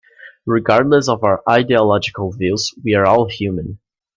Regardless of our ideological views, we are all human.